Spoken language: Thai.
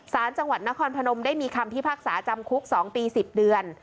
สารจังหวัดนครพนมได้มีคำพิพากษาจำคุก๒ปี๑๐เดือน